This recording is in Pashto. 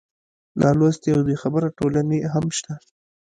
نالوستې او بېخبره ټولنې هم شته.